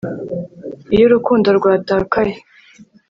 iyo urukundo rwatakaye